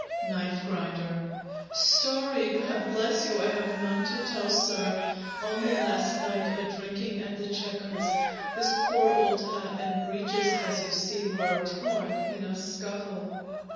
KNIFE GRINDER Story? God bless you! I have none to tell, sir; Only last night a drinking at the Chequers, This poor old hat and breeches, as you see, were Torn in a scuffle.